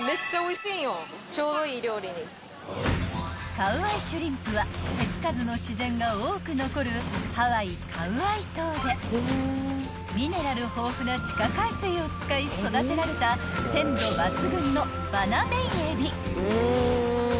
［カウアイシュリンプは手付かずの自然が多く残るハワイカウアイ島でミネラル豊富な地下海水を使い育てられた鮮度抜群のバナメイエビ］